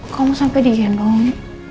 kamu sampai digendong